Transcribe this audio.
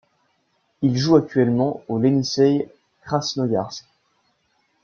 Il joue actuellement au Ienisseï Krasnoïarsk.